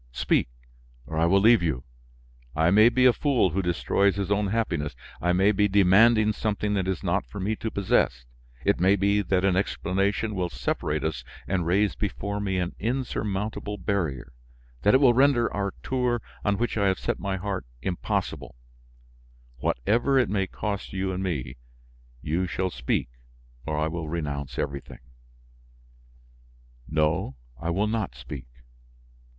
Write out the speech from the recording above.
Speak, or I will leave you. I may be a fool who destroys his own happiness, I may be demanding something that is not for me to possess, it may be that an explanation will separate us and raise before me an insurmountable barrier, that it will render our tour, on which I have set my heart, impossible; whatever it may cost you and me, you shall speak or I will renounce everything." "No, I will not speak."